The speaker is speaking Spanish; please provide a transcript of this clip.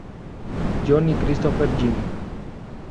John y Christopher Yim.